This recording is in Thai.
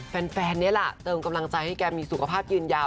แฟนนี่แหละเติมกำลังใจให้แกมีสุขภาพยืนยาว